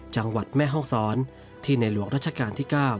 จังหวัดแม่ห้องศรที่ในหลวงรัชกาลที่๙